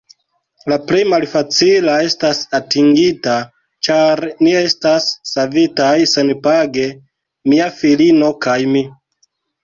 La plej malfacila estas atingita, ĉar ni estas savitaj senpage, mia filino kaj mi.